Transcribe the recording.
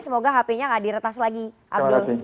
semoga hp nya nggak diretas lagi abdul